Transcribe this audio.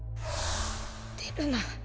出るな！